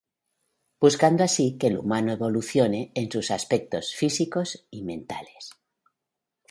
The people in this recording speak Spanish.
Buscando así, que el humano evolucione en sus aspectos físicos y mentales.